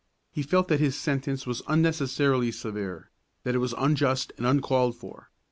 He felt that his sentence was unnecessarily severe; that it was unjust and uncalled for.